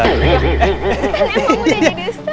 emang mau jadi ustaz